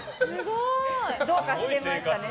どうかしてましたね。